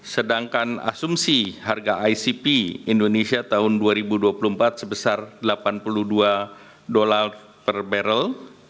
sedangkan asumsi harga icp indonesia tahun dua ribu dua puluh empat sebesar delapan puluh dua per barrel